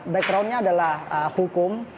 backgroundnya adalah hukum